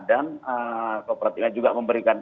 dan kooperatifnya juga memberikan keterangan